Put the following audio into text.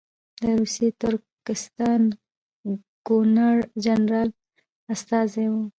د روسي ترکستان ګورنر جنرال استازی وو.